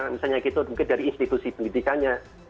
misalnya gitu mungkin dari institusi pendidikannya